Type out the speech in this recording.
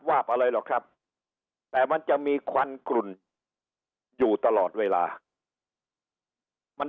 วาบอะไรหรอกครับแต่มันจะมีควันกลุ่นอยู่ตลอดเวลามัน